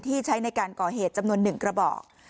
ใช้ในการก่อเหตุจำนวน๑กระบอก